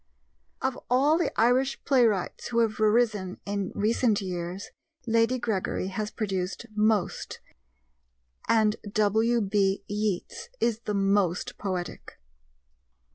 Of all the Irish playwrights who have arisen in recent years, Lady Gregory has produced most and W.B. Yeats is the most poetic.